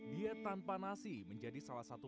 diet tanpa nasi menjadi salah satu